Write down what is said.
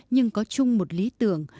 nhưng có chung một lý tưởng